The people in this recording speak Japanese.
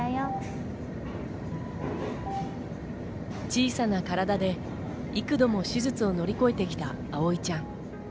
小さな体で幾度も手術を乗り越えてきた葵ちゃん。